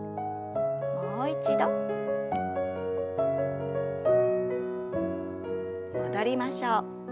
もう一度。戻りましょう。